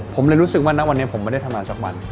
ผมเลยรู้ว่านักวันนี้มาได้ทำงานช่อกวัน